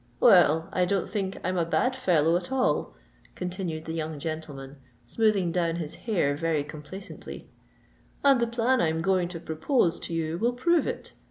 "Well—I don't think I'm a bad fellow at all," continued the young gentleman, smoothing down his hair very complacently; "And the plan I'm going to propose to you will prove it.